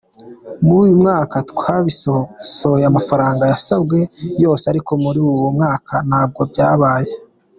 Muri uyu mwaka twarabikosoye amafaranga yarasabwe yose ariko muri uwo mwaka ntabwo byabaye.